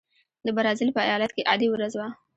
د برازیل په ایالت کې عادي ورځ وه.